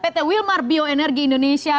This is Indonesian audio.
pt wilmar bioenergi indonesia